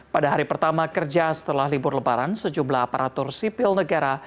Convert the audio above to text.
pada hari pertama kerja setelah libur lebaran sejumlah aparatur sipil negara